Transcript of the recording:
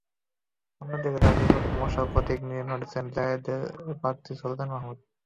অন্যদিকে তাঁর বিপক্ষে মশাল প্রতীক নিয়ে লড়ছেন জাসদের প্রার্থী সুলতান মাহমুদ।